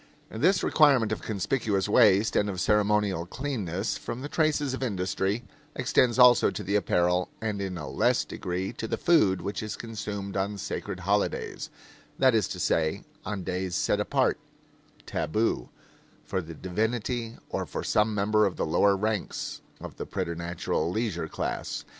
This requirement of conspicuous waste and of ceremonial cleanness from the traces of industry extends also to the apparel, and in a less degree to the food, which is consumed on sacred holidays; that is to say, on days set apart tabu for the divinity or for some member of the lower ranks of the preternatural leisure class.